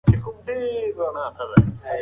ډاکټر کریګ د ټېکنالوژۍ ګټې تشریح کوي.